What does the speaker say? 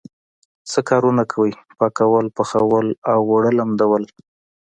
څه کارونه کوئ؟ پاکول، پخول او اوړه لمدول